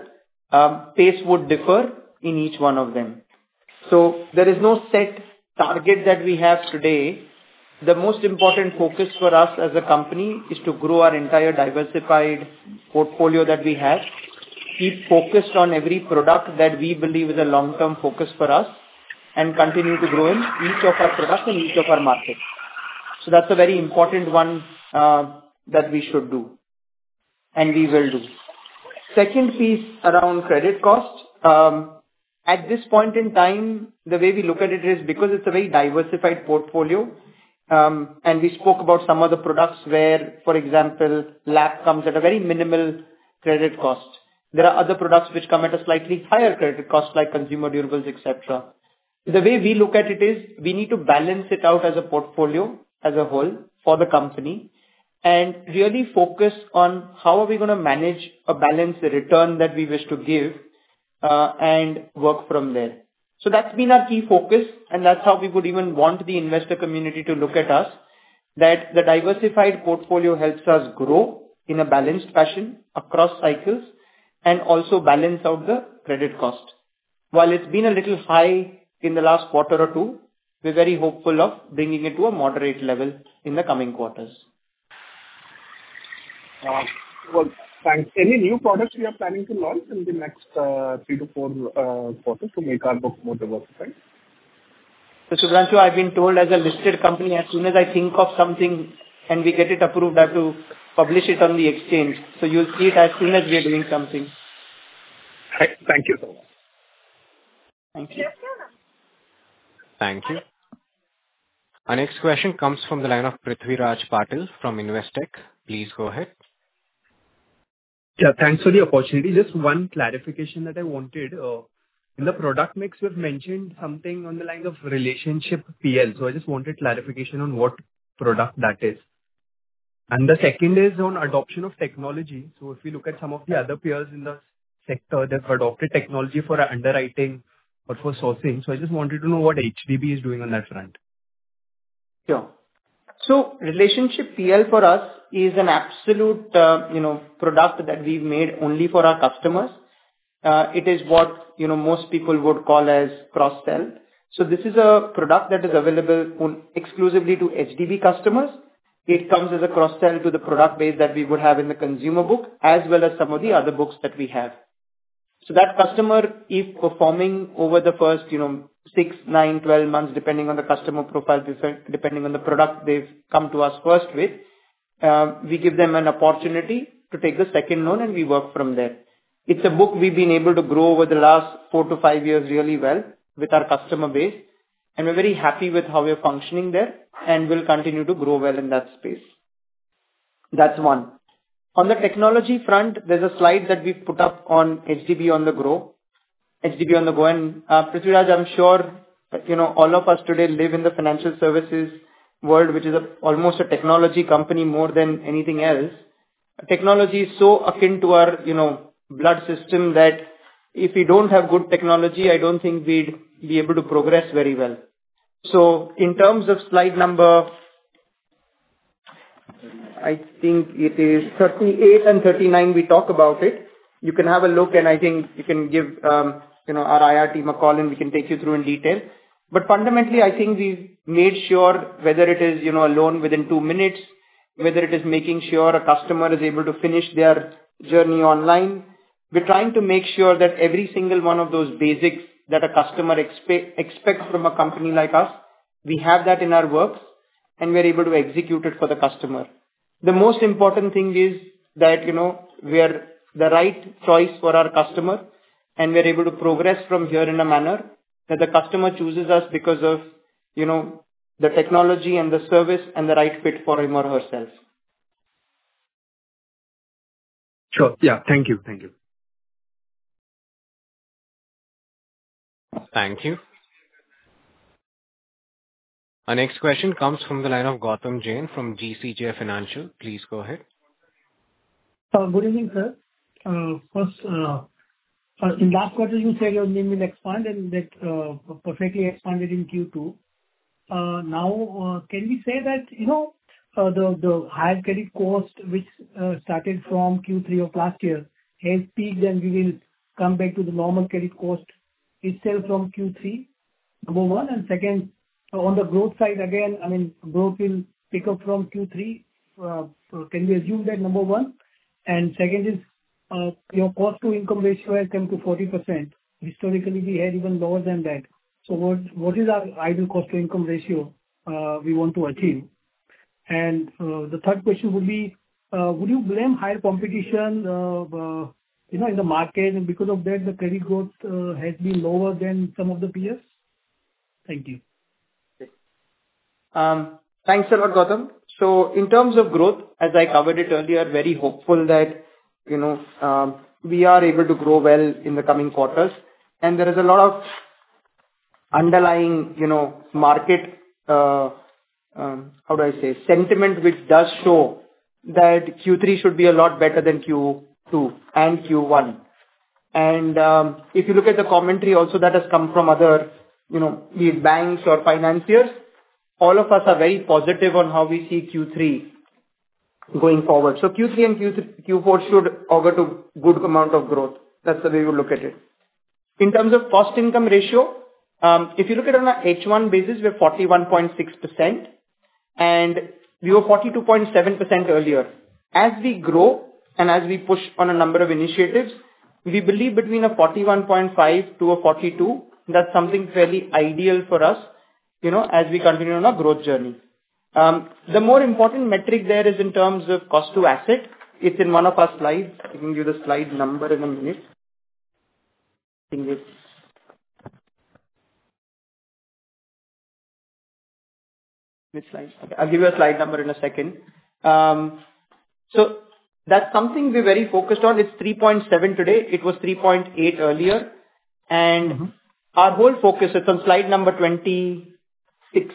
Pace would differ in each one of them. There is no set target that we have today. The most important focus for us as a company is to grow our entire diversified portfolio that we have, keep focused on every product that we believe is a long-term focus for us, and continue to grow in each of our products and each of our markets. That is a very important one that we should do, and we will do. Second piece around credit cost, at this point in time, the way we look at it is because it's a very diversified portfolio. We spoke about some of the products where, for example, LAP comes at a very minimal credit cost. There are other products which come at a slightly higher credit cost, like consumer durables, etc. The way we look at it is we need to balance it out as a portfolio, as a whole, for the company, and really focus on how are we going to manage a balanced return that we wish to give and work from there. That has been our key focus, and that is how we would even want the investor community to look at us, that the diversified portfolio helps us grow in a balanced fashion across cycles and also balance out the credit cost. While it's been a little high in the last quarter or two, we're very hopeful of bringing it to a moderate level in the coming quarters. Thanks. Any new products you are planning to launch in the next three to four quarters to make our book more developed, right? Subhranshu, I've been told as a listed company, as soon as I think of something and we get it approved, I have to publish it on the exchange. You'll see it as soon as we are doing something. Thank you. Thank you. Our next question comes from the line of Prithviraj Patil from Investec. Please go ahead. Yeah, thanks for the opportunity. Just one clarification that I wanted. In the product mix, we've mentioned something on the line of relationship PL. I just wanted clarification on what product that is. The second is on adoption of technology. If you look at some of the other peers in the sector that have adopted technology for underwriting or for sourcing, I just wanted to know what HDB is doing on that front. Sure. Relationship PL for us is an absolute product that we've made only for our customers. It is what most people would call as cross-sell. This is a product that is available exclusively to HDB customers. It comes as a cross-sell to the product base that we would have in the consumer book as well as some of the other books that we have. That customer, if performing over the first 6, 9, 12 months, depending on the customer profile, depending on the product they've come to us first with, we give them an opportunity to take the second loan and we work from there. It's a book we've been able to grow over the last four to five years really well with our customer base. We're very happy with how we're functioning there and will continue to grow well in that space. That's one. On the technology front, there's a slide that we've put up on HDB on the Grow, HDB on the Go. Prithviraj, I'm sure all of us today live in the financial services world, which is almost a technology company more than anything else. Technology is so akin to our blood system that if we do not have good technology, I do not think we would be able to progress very well. In terms of slide number, I think it is 38 and 39, we talk about it. You can have a look and I think you can give our IR team a call and we can take you through in detail. Fundamentally, I think we have made sure whether it is a loan within two minutes, whether it is making sure a customer is able to finish their journey online. We are trying to make sure that every single one of those basics that a customer expects from a company like us, we have that in our works and we are able to execute it for the customer. The most important thing is that we're the right choice for our customer and we're able to progress from here in a manner that the customer chooses us because of the technology and the service and the right fit for him or herself. Sure. Yeah. Thank you. Thank you. Thank you. Our next question comes from the line of Gautam Jain from GCJF Financial. Please go ahead. Good evening, sir. First, in last quarter, you said your NIM will expand and get perfectly expanded in Q2. Now, can we say that the higher credit cost, which started from Q3 of last year, has peaked and we will come back to the normal credit cost itself from Q3? Number one. Second, on the growth side, again, I mean, growth will pick up from Q3. Can we assume that number one? Second is your cost-to-income ratio has come to 40%. Historically, we had even lower than that. What is our ideal cost-to-income ratio we want to achieve? The third question would be, would you blame higher competition in the market? Because of that, the credit growth has been lower than some of the peers? Thank you. Thanks a lot, Gautam. In terms of growth, as I covered it earlier, very hopeful that we are able to grow well in the coming quarters. There is a lot of underlying market, how do I say, sentiment which does show that Q3 should be a lot better than Q2 and Q1. If you look at the commentary also that has come from other banks or financiers, all of us are very positive on how we see Q3 going forward. Q3 and Q4 should augur to a good amount of growth. That is the way we look at it. In terms of cost-income ratio, if you look at on an H1 basis, we are 41.6% and we were 42.7% earlier. As we grow and as we push on a number of initiatives, we believe between a 41.5%-42%, that's something fairly ideal for us as we continue on our growth journey. The more important metric there is in terms of cost-to-asset. It's in one of our slides. I can give you the slide number in a minute. I'll give you a slide number in a second. That's something we're very focused on. It's 3.7 today. It was 3.8 earlier. Our whole focus is on slide number 26,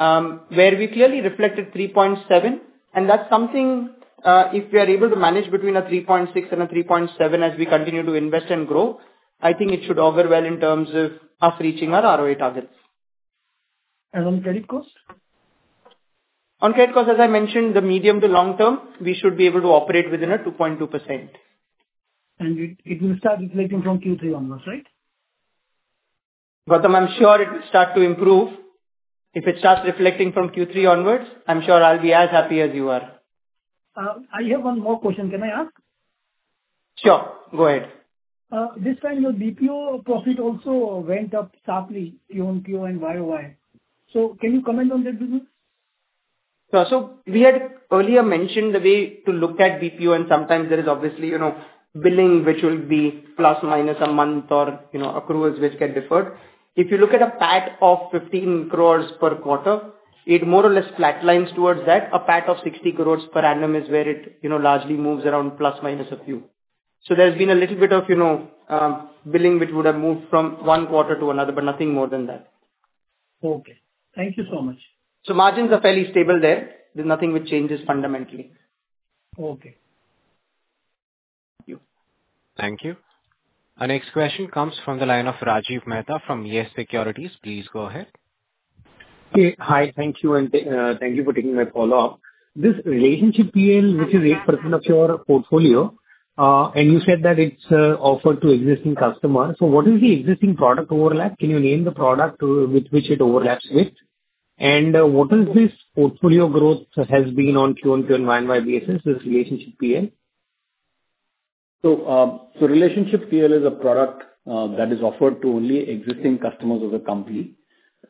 where we clearly reflected 3.7. That's something if we are able to manage between a 3.6-3.7 as we continue to invest and grow, I think it should augur well in terms of us reaching our ROA targets. On credit cost? On credit cost, as I mentioned, the medium to long term, we should be able to operate within a 2.2%. It will start reflecting from Q3 onwards, right? Gautam, I'm sure it will start to improve. If it starts reflecting from Q3 onwards, I'm sure I'll be as happy as you are. I have one more question. Can I ask? Sure. Go ahead. This time, your BPO profit also went up sharply, Q1, Q2, and YoY. Can you comment on that [business?] We had earlier mentioned the way to look at BPO, and sometimes there is obviously billing, which will be plus minus a month, or accruals which get deferred. If you look at a PAT of 15 crore per quarter, it more or less flatlines towards that. A PAT of 60 crore per annum is where it largely moves around plus minus a few. There has been a little bit of billing which would have moved from one quarter to another, but nothing more than that. Okay. Thank you so much. Margins are fairly stable there. There is nothing which changes fundamentally. Okay. Thank you. Thank you. Our next question comes from the line of Rajiv Mehta from Yes Securities. Please go ahead. Hi. Thank you. Thank you for taking my follow-up. This relationship PL, which is 8% of your portfolio, and you said that it is offered to existing customers. What is the existing product overlap? Can you name the product with which it overlaps with? What has this portfolio growth been on Q1, Q2, and YoY basis, this relationship PL? Relationship PL is a product that is offered to only existing customers of the company.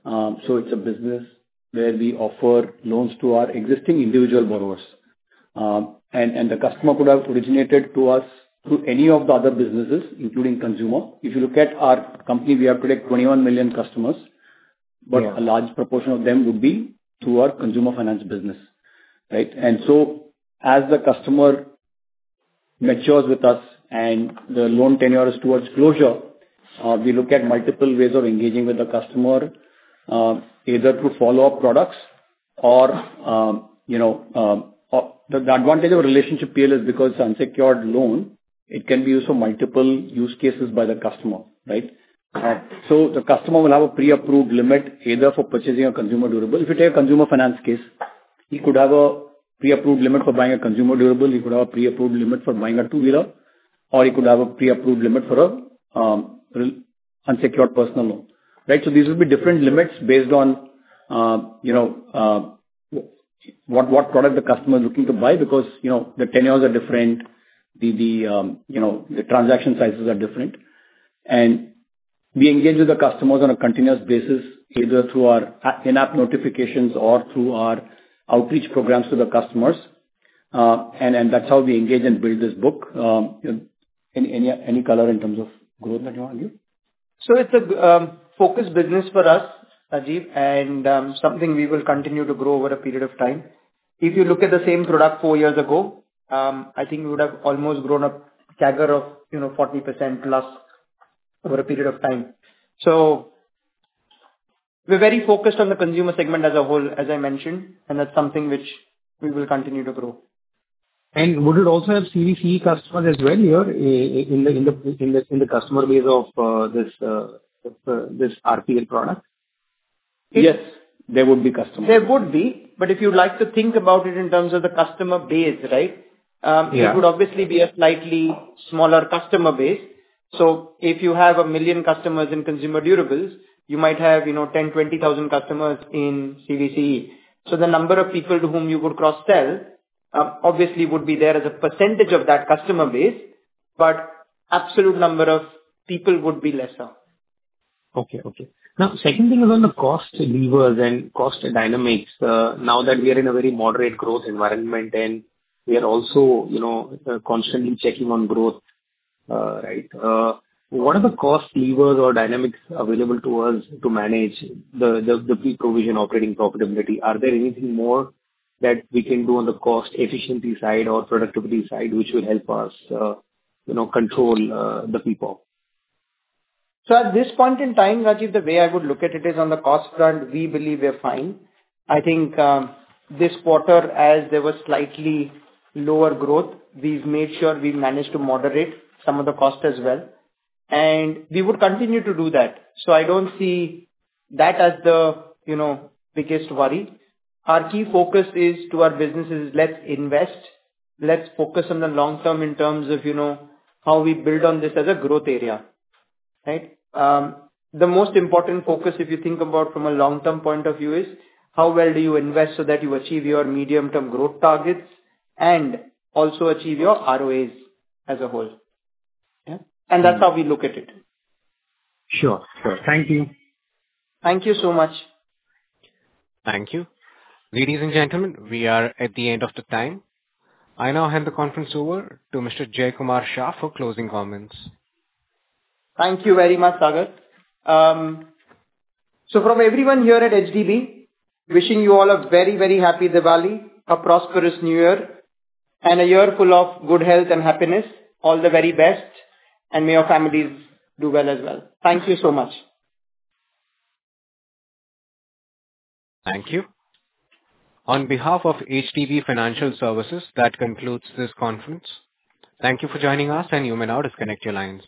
It is a business where we offer loans to our existing individual borrowers. The customer could have originated to us through any of the other businesses, including consumer. If you look at our company, we have today 21 million customers, but a large proportion of them would be through our consumer finance business, right? As the customer matures with us and the loan tenure is towards closure, we look at multiple ways of engaging with the customer, either through follow-up products or the advantage of relationship PL is because it is an unsecured loan, it can be used for multiple use cases by the customer, right? The customer will have a pre-approved limit either for purchasing a consumer durable. If you take a consumer finance case, he could have a pre-approved limit for buying a consumer durable. He could have a pre-approved limit for buying a two-wheeler, or he could have a pre-approved limit for an unsecured personal loan, right? These would be different limits based on what product the customer is looking to buy because the tenures are different, the transaction sizes are different. We engage with the customers on a continuous basis, either through our in-app notifications or through our outreach programs to the customers. That is how we engage and build this book in any color in terms of growth that you want to give. It is a focused business for us, Rajiv, and something we will continue to grow over a period of time. If you look at the same product four years ago, I think we would have almost grown a CAGR of 40% plus over a period of time. We are very focused on the consumer segment as a whole, as I mentioned, and that's something which we will continue to grow. Would it also have CV customers as well here in the customer base of this RPL product? Yes, there would be customers. There would be, but if you'd like to think about it in terms of the customer base, right, it would obviously be a slightly smaller customer base. If you have a million customers in consumer durables, you might have 10,000-20,000 customers in CVC. The number of people to whom you could cross-sell obviously would be there as a percentage of that customer base, but the absolute number of people would be lesser. Okay. Okay. Now, second thing is on the cost levers and cost dynamics. Now that we are in a very moderate growth environment and we are also constantly checking on growth, right, what are the cost levers or dynamics available to us to manage the peak provision operating profitability? Are there anything more that we can do on the cost efficiency side or productivity side which will help us control the people? At this point in time, Rajiv, the way I would look at it is on the cost front, we believe we're fine. I think this quarter, as there was slightly lower growth, we've made sure we managed to moderate some of the cost as well. We would continue to do that. I do not see that as the biggest worry. Our key focus is to our business is let's invest. Let's focus on the long term in terms of how we build on this as a growth area, right? The most important focus, if you think about from a long-term point of view, is how well do you invest so that you achieve your medium-term growth targets and also achieve your ROAs as a whole. That's how we look at it. Sure. Sure. Thank you. Thank you so much. Thank you. Ladies and gentlemen, we are at the end of the time. I now hand the conference over to Mr. Jaykumar Shah for closing comments. Thank you very much, Sagar. From everyone here at HDB, wishing you all a very, very happy Diwali, a prosperous New Year, and a year full of good health and happiness. All the very best, and may your families do well as well. Thank you so much. Thank you. On behalf of HDB Financial Services, that concludes this conference. Thank you for joining us, and you may now disconnect your lines.